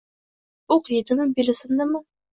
O‘q yedimi, beli sindimi